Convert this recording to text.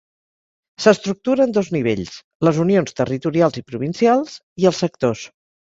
S'estructura en dos nivells: les unions territorials i provincials i els sectors.